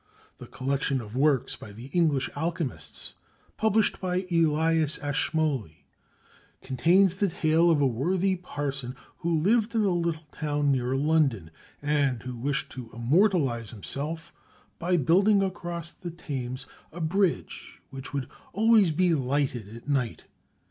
The collection of works by the English alchemists, published by Elias Ashmole, contains the tale of a worthy parson who lived in a little town near London, and who wished to immortalize himself by building across the Thames a bridge which would always be lighted at night.